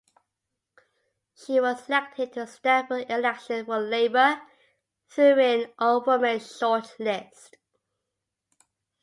She was selected to stand for election for Labour through an all-women shortlist.